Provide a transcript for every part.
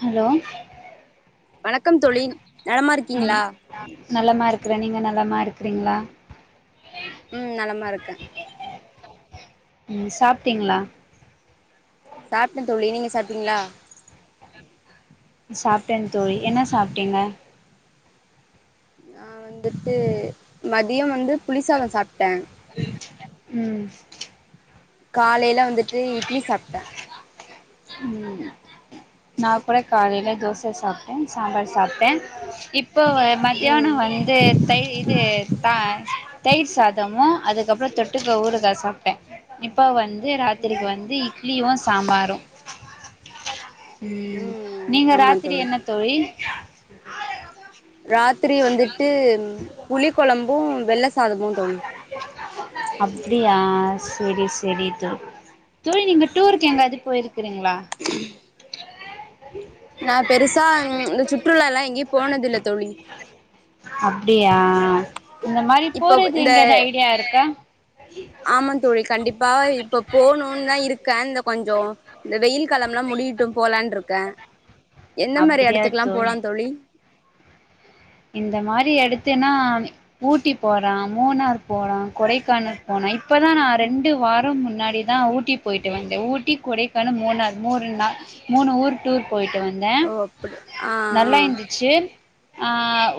Hello வணக்கம் தோழி, நலமா இருக்கீங்களா? ம் நலமா இருக்றன் நீங்க நலமா இருக்றீங்களா? உம் நலமா இருக்கன். உம் சாப்டீங்களா? சாப்டண் தோழி நீங்க சாப்டீங்களா? ம் சாப்டண் தோழி என்ன சாப்டீங்க? நான் வந்துட்டு, மதியம் வந்து புளிசாதம் சாப்டண். உம். காலேல வந்துட்டு இட்லி சாப்டண். நான் கூட காலேல தோசை சாப்டண், சாம்பார் சாப்டண், இப்ப ம் மத்தியானம் வந்து தை இது தா தயிர் சாதமும் அதுக்கப்புறம் தொட்டுக்க ஊருகா சாப்டண் இப்ப வ ந்து ராத்திரிக்கு ம் வந்து இட்லியும் சாம்பாரும் ம் நீங்க ராத்திரி என்ன தோழி ராத்திரி வந்துட்டு புளி கொழம்பும் வெள்ள சாதமும் தோழி. அப்டியா, செரி செரி தோ தோழி நீங்க டூருக்கு எங்கயாவது போயிரு க்றீங்களா? இன்ஆடிபிள் நான் பெருசா ம் இந்த ச்சுற்றுல எல்லாம் எங்கயும்போனதில்ல தோழி. அப்டியா இந்த மாரி இப்பவ் போறது இந்த, எங்கயாவது ஐடியா இருக்கா ஆமாம் தோழி கண்டிப்பா இப்ப போணும்னு தான் இருக்கன் கொஞ்சம் இந்த வெயில் காலம்லாம் முடியட்டும் போலாம்றுக்கேன். என்ன மாரி இடத்துக்லாம் போலாம் தோழி? இந்த மாரி எடுத்தன்னா ஊட்டி போலாம் மூணார் போலாம் கொடைக்கானல் போன இப்பதான் நான் ரெண்டு வாரம் முன்னாடிதான் ஊட்டி போயிட்டு வந்த ஊட்டி கொடைக்கானல் மூணார் மூணு நாள் மூணு ஊர் டூர் போய் ட்டு வந்தேன் ஓ அப்டி ஆ ஆ நல்லா இருந்துச்சு ஆ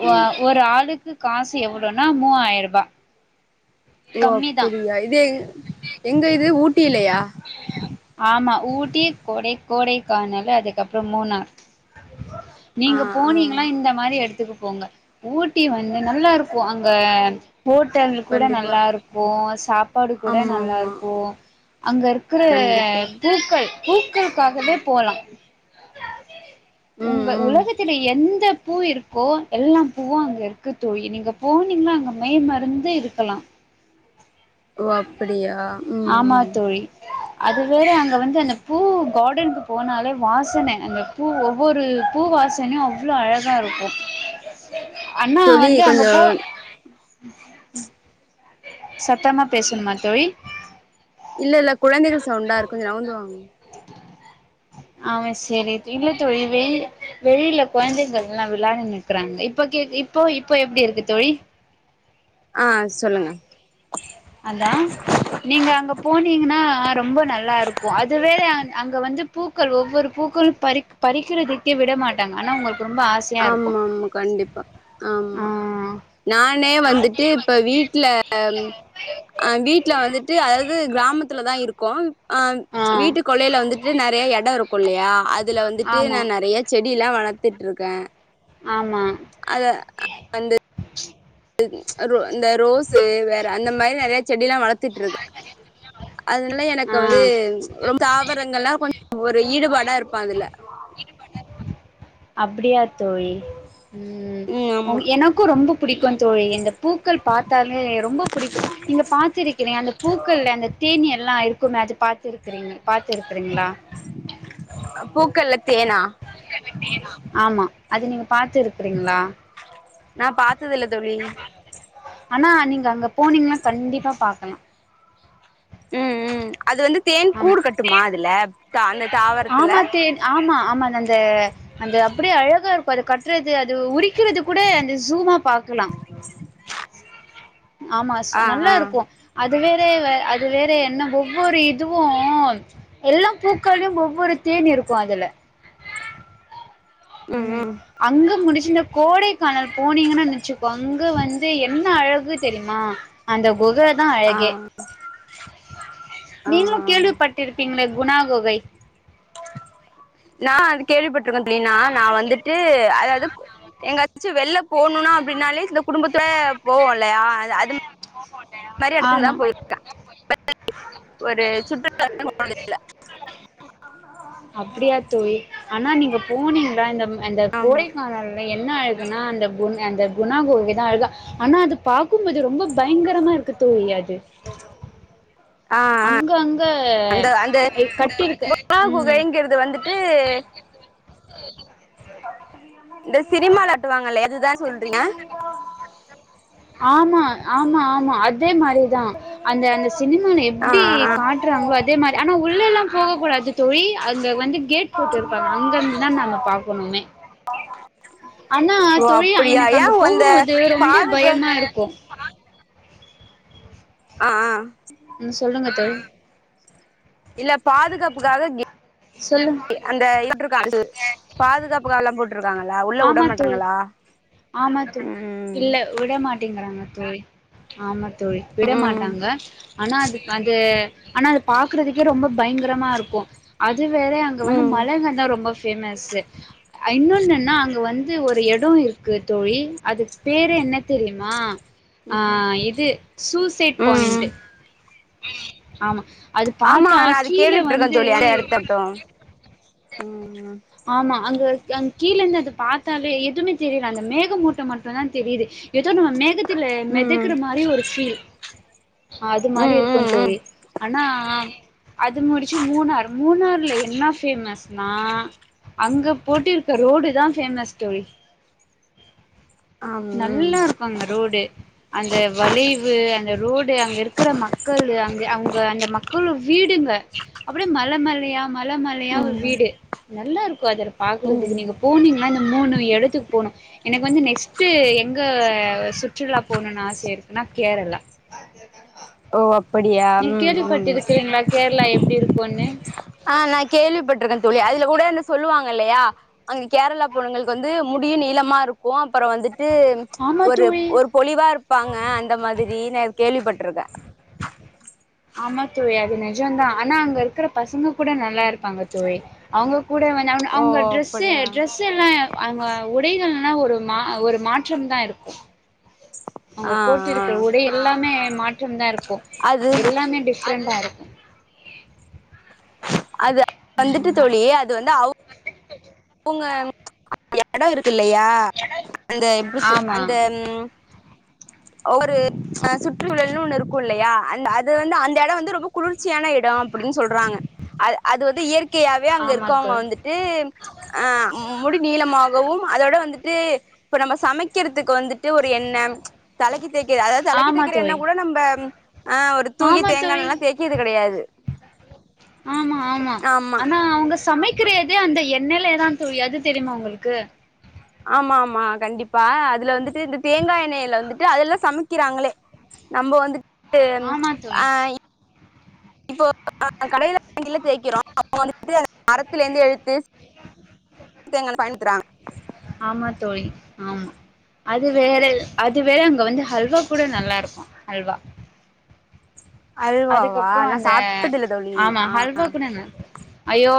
ஒ ம் ஒரு ஆளுக்கு காசு எவ்ளோனா மூவாயிரூபா ஓ கம்மி தா அப்டியா இது எ எங்க இது ஊ ஆமா ஊட்டி கொடை கோடைக்கானல் அதுக்கப்புறம் மூணார் ஆ நீங்க ஆ போனீங்கன்னா இந்த மாரி எடத்துக் போங்க ஊட்டி வந்து நல்லா இருக்கும் அங்க ஹோட்டல் கூட கண்டிப்பா நல்லாருக்கு சாப்பாடு கூட ஆமா ஆமா நல்லாருக்கு அங்க இருக்குற கண்டிப்பா பூக்கள் பூக்கள்காகவே போலா ம் உங்க ம் உலகத்துல எந்த பூ இருக்கோ எல்லா பூவும் அங்க இருக்கு தோழி நீங்க போனீங்கன்னா அங்க மெய் மறந்து இருக்கலா ஓ அப்டியா ம் ம் அதுவேற அங்க வந்து அந்த பூ கார்டனுக்கு போனாலே வாசன அந்த பூ ஒவ்வொரு பூ வாசனையு அவ்ளோ அழகா இருக்கும் அண்ணா தோழி வந்து அங்க கொஞ்சோ போ சத்தமா பேசணுமா தோழி இல்ல இல்ல குழந்தைகள் சவுண்டா இருக்கு கொஞ்ச நவுந்து வாங்க ஆ சேரி இல்ல தோழி வெய் வெளில கொழந்தைகள் எல்லா விளாடின்னு இருக்குறாங்க இப்ப கேக் இப்போ இப்போ எப்டி இருக்கு தோழி ஆ சொல்லுங்க அதா நீங்க அங்க போனீங்கன்னா ரொம்ப நல்லாருக்கு அதுவே அங்க வந்து பூக்கள் ஒவ்வொரு பூக்களு பறிக் பறிக்கிறதுக்கே விட மாட்டாங்க ஆனா அவங் ஆமா ஆமா கண்டிப்பா ஆமா நானே வந்துட்டு இப்ப வீட்ல அ வீட்ல வந்துட்டு அதது கிராமத்துல தா இருக்கோ ஆ வீட்டு கொள்ளைல வந்துட்டு நெறைய எடோ இருக்குல்லையா அதுல வந்துட்டு ஆமா நா நெறைய செ டில்லா வளத்துட்ருக்கே ஆமா அத வந்து அ ரோ இந்த ரோஸு வேற அந்த மாரி நெறைய செடில்லா வளத் ட்டு இருக் அதனால ஆ எனக்கு வந்து ரொம் தாவரங்கள கொஞ் [inaudible] ஒரு ஈடுபாடா இருப்பே அதுல அப்டியா தோழி ம் உ எனக்கு ரொம்ப புடிக்கு தோழி இந்த பூக்கள் பாத்தாலே ரொம்ப புடிக்கு இங்க பாத்திருக்கிறே அந்த பூக்கள்ல அந்த தேனீ எல்லா இருக்குமே அது பாத்துருக்றேனே பாத்து இருக்குறீங்ளா பூக்கள்ல தேனா ஆமா அது நீங்க பாத்து இருக்றீங்ளா நா பாத்தது இல்ல தோழி ஆனா நீங்க அங்க போனீங்கன்னா கண்டிப்பா பாக்கலாம் ம் ம் அது வந்து தேன் ஆமா கூடு கட்டுமா அதுல த அந்த தாவரத்துல ஆமா தேன் ஆமா ஆமா அந்த அந்த அப்படியே அழகா இருக்கும் அது கட்டுறது அது உரிக்கிறது கூட அந்த ஜூமா பாக்லாம் ஆமா ஸ் ஆ நல்லா ஆ இருக்கும் அதுவே வே வே அது வேற என்ன ஒவ்வொரு இதுவும் எல்லா பூக்ளையும் ஒவ்வொரு தேனி இருக்கும் அதுல ம் உம் ம் அங்க முடிச்சுர் கோடைக்கானல் போனீங்கன்னு நிச்சுக்கோ அங்க வந்து என்ன அழகு தெரிமா அந்த குகை தான் ஆ அழகே நீங்களும் ஆ கேள்விப்பட்டிருப்பீங்களே உணா குகை நான் அது கேள்விபட்ருக்க ல்லானா நான் வந்துட்டு அதாவ்து எங்காச்சு வெள்ள போணும்னா அப்படின்னாலே இந்த குடும்பத்ல போவோம் ல்லையா அ அது இந்த மாரி ஆமா இடத்துக்குதான் போயிற்கேன் [inaudible] ஒரு சுற் அப்படியா தோழி ஆனா நீங்க [unintelligible] இந்த போனீங்களா அந்த கோடைக்கானல என்ன அழுகுனா அந்த குன் அந்த குண கோகை தான் அழுக ஆனா அது [inaudible] க்கும்பது ரொம்ப பயங்கரமா இருக்கு தோழி அது ஆ அங்க அங்க அந்த அந்த கட்டிருக்கு புறா உம் குகைங்கிறது வந்துட்டு சௌதீரம் இந்த சினிமால ட்டுவாங்கலைய இதுதான் சொல்றீங்க எ ஆமா ஆமா ஆமா அத் அதே மாரி தான் அது அந்த சினிமால ஆ எப்படி ஆ காட்டுறாங்ளோ அதே மாரி ஆனா உள்ளல்லாம் போக கூடாது தொழி அங்க வந்து கேட் போட்ருப்பாங்க அங்கருந்து தான் நம பார்க்கணுமே ஆ ஆனா தொழி எனக்கு அங்க அந்த போகும்போது ரொம்ப பாதுகா பயமாருக்கும் ஆ அ ம் சொல்லுங்க தோழி இல்ல பாதுகாப்புக்காக சொல்லுங்க கே அந்த [unintelligible] பாதுகாப்பு காலா போட் இருக்காங்களா உள்ள விட ஆமா தோழி மாற்றங்களா ஆமா தோழி இல்ல விட மட்டேங்கிறாங்க ஆமா தோழி ஆமா தோழி விட ம் ம் மாட்டாங்க ஆனா அது அது ஆனா அது பாக்குறதுக்கே ரொம்ப பயங்கரமா இருக்கும் அது இது வேற அங்க வந்து ம் மழங்கந ரொம்ப பேமசு இன்னொன்னா அங்க வந்து ஒரு எடோ இருக் க்கு தோழி அதுக் பேரே என்ன தெரியுமா ஆ இது சூசைட் பாயிண்ட் ம் ஆமா அது ஆமா பாத்தா அது நா கீழ கேள்விப்பட்டுருக்கேன் வந்து தோழி அத எடத்தட்டும் உம் ஆமா அங்க அங் கீழ இருந்து அது பாத்தாலே எதுவுமே தெரில அந்த மேகமூட்டமட்டும் தா தெரியுது ஏதோ நம்ம மேகத்தில ம் மெதக்குற மாதிரி ஒரு ஃபீல் அது மாரி ம் இருக்கும் ம் தோழி ம் அனா அது முடிச்சு மூணார் மூணறு இல்ல என பேமஸ்னா அங்க போட்டிருக்க ரோடு தா பேமஸ் தோழி ஆம் ம் நல்லா இருக்கும் அங்க ரோடு அந்த வளைவு அந்த ரோடு அங்க இருக்கிற மக்களு அ அவங்க அந்த மக் அவ்ளோ வீடுங்க அப்டியே மல மலயா மல மலயா ம் வீடு நல்லா இருக்கும் அதல ம் பாகறதுக்கு நீங்க போனீங்க மூணு இடத்துக்கு போனும் எனக்கு வந்து நெக்ஸ்ட் விட்டு எங்க சுற்றுலா போணுனு ஆசெ இருக்குன்னா கேரளா ஓ அப் நீங் கேள்விப்பட்டிருக்கிறீங்களா கேரளா எப்படி இருக்குன்னு கேள்விபட் பட்டு இருக்க தோழி சொல்லி அதுல கூடனு சொல்லுவாங்க கல்லையா அங்கு கேரளா போன்களுக்கு வந்து முடியும் நீளமா ருக்கும் அப்புறம் வந்து ட்டு ஆமா ஒரு தோழி ஒரு பொலிவா இருப்பாங்க அந்த மாதிரி கேள்விப்பட் [unintelligible] ஆமா தோழி அது நிஜம்தா ஆனா அங்க இருக்கிற ப் பசங்க கூட நல்லா ம் இருப்பாங்க தோழி அவங்க் கூட வந் ஓ அவங்க ட்ரெஸ்சே அப்படியா ட்ரெஸ் எல்லாம் அவங்க உடைகள் ன்ன ஒரு மா ஒரு மாற்றம் தா இருக்கு அவங்க ஆ ஆ போட்டிருக்க உடை எல்லாமே மாற்றம் தா இருக் போ அது எல்லாமே டிஃப்ரெண்டா இருக் அத வந்துட்டு ம் தோழி அது வந்து அவ் ங்க எடோ இருக் தில்லையா அந்த எப்டி ஆமா அந்த ஒரு அ சுற்றுழல்னு ஒண்ணு இருக்கு இல்லையா அந்த அது வந்து அந்த எடம் வந்து ரொம்ப குளிர்ச்சியான இடம் அப்டின்னு சொல்றாங்க அ அது வந்து இயற் இயற்கையாவே அங்க ஆமா இருக்கவங்க தோழி வந்துட்டு அ முடி நீளமாகவும் அதோட வந்துட்டு இப்ப நம்ம சமைக்கிறத் கு வந்துட்டு ஒரு எண்ண தலைக்கு தேக்க அதாவது தலைக்கு ஆமா தேக்கிற என்ன தோழி கூட நம்ம ஆ ஒரு தூக்கி ஆமா தேங்கா தோழி எண்ணெல்லா தேய்க்கிறது கெடையாது ஆமா ஆமா ஆனா அவங்க சமைக்கிற தே அந்த எண்ணெயிலதா தோழி அது தெரியுமா உங்களுக்கு ஆமா ஆமா கண்டிப்பா அதுல வந்துட்டு இந்த தேங்கா எண்ணெய்ல வந்துட்டு அதுலாதா சமைக்கிறாங்களே நம்ம வந்துட் டு ஆமா தோழி ஆ இப்போ நா கடையில வாங்கில தேக் [inaudible] [unintelligible] மரத்திலேந்து எழுத்து தேங்காண்ண ஆமா [unintelligible] தோழி ஆமா அது வேற அது வேற இங்க வந்து ஹல்வா கூட நல்லா இருக்கு அல்வா அல்வாவா நா சாப்டதில்ல தோழி ஆமா ஹல்வா ஆஹ் கூட ந ஐயோ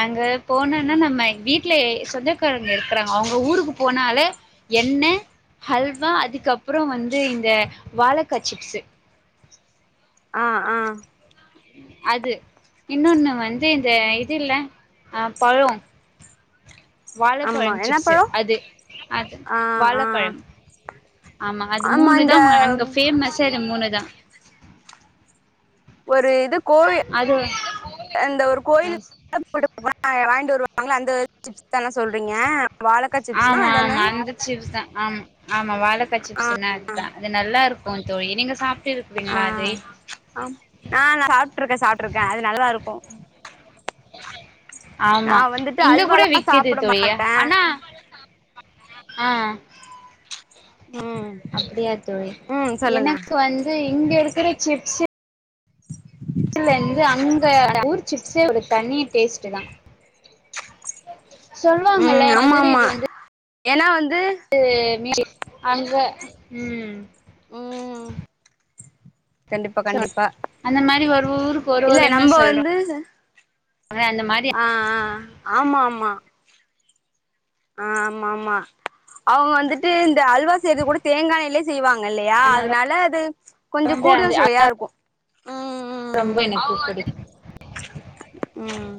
அங்க போனேனா நம்ம வீட் வீட்டுலே சொந்தக்காரங்க இருக்கிறாங்க அவுங்க ஊருக்கு போனாலே எண்ணெ ஹல்வா அதுக்கப்புறோ வந்து இந்த வாழக்கா சிப்ஸ்சு அ ஆ அது இன்னொன்னு வந் து இந்த ம் இதுல்ல ஆ பழோ ஆமா வாழப்பழம் என்ன சிப்ஸ்சு பழோ அது அது ஆ ஆ வாழப்பழம் ஆம்மா அது ஆமா இந்த மூணுதாமா அங்க ஃபேமஸ்சே அது மூணுதா ஒரு இது கோயி அது அந்த ஒரு கோயில் ம், [unintelligible] ட்டு வருவாங்கள அந்த சிப்ஸ் தான சொல்றீங்க வாழக்கா சிப்ஸ்னா ஆமா அதான ஆமா அந்த சிப்ஸ்தா ஆம் ஆமா வாலக்கா சிப்ஸ்சுனா அதுதான் அது நல்லா இருக்கு தோழி நீங்க சாப்ட்டு இருக்குறீங்களா அது ஆஹ் ஆம் ஆஹ் சாப்புட்ருக்கே சாப்புட்ருக்கே அது நல்லா இருக்கு தேங்காய் நா ஆம்மா வந்துட்டு இங்க கூட அல்வாலா விக்குது சாப்ட தோழிய மாட்டே அனா அஹ் ம் அப்டியா தோழி ம் சொல்லுங்க எனக்கு வந்து இங்க இருக்குற சிப்ஸ்சு [unintelligible] இந்து அங்க ஊர் சிப்ஸே ஒரு தனிய டேஸ்ட்டுதா சொல்லுவாங்குல்ல ம் ஆமா ஆமா மதுரைக்கு வந்து ஏன்னா வந்து [unintelligible] அங்க உம் உம் சொல் அந்த மாரி ஒரு ஊருக்கு ஒரு ஒரு ப்மேஸ் சொல்றோ அந்த மாதிரி ஆஹ் அஹ் ஆம்மா ஆம்மா ஆஹ் ஆமாம்மா அவுங்க வந்துட்டு இந்த அல்வா செய்றது கூட தேங்காய் எண்ணெயிலே செய்வாங் ங்க இல்லியா அதனால அதுனால அது கொஞ்ச வந்து அந்த கூடுதல் அது சுவையா இருக்கு ம் ரொம்ப ம் இனிப்பு அவ வந்துட் உம்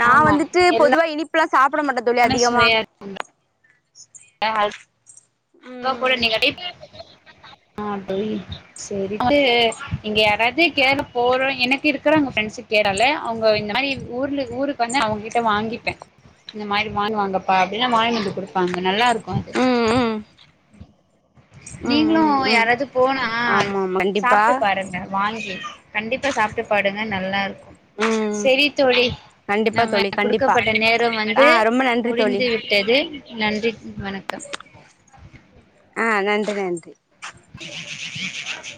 நா வந்துட்டு பொதுவா இனிப் ஃபுல்லா சாப் புட மாட்ட தோழி எல்லாமே அதிகமா சுவையா ம் [unintelligible] அஹ் தோழி சேரின்டு இங்க யாராவுது [unintelligible] போற எனக் இருக்குறாங்க பெரண்ஸ் கேராள அவுங்க இந்த மாரி ஊர்ல ஊருக்கு வந்து அவுங்கிட்ட வாங்கிப்பே இந்த மாரி வாங்கு வாங்கப்பா அப்பிடின்னா வாங்கினந்து குடுப்பாங்க நல்லா இருக்கு ம் ம் [unintelligible] ம் நீங்ளு ம் ம் யாராவது போனா ஆமா ஆமா கண்டிப்பா சாப்ட்டு பாருங்க வாங்கி கண்டிப்பா சாப்ட்டு பாருங்க நல்லா இருக்கு ம் செரி தோழி கண்டிப்பா நம்ம தோழி கண்டிப்பா குடுக்கப்பட்ட நேரம் ஆ வந்து ரொம்ப நன்றி தோழி முடிந்து விட்டது நன்றி வணக்கம் ஆ நன்றி நன்றி [inaudible]